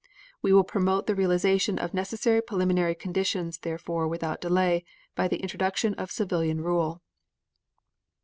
We will promote the realization of necessary preliminary conditions therefore without delay by the introduction of civilian rule.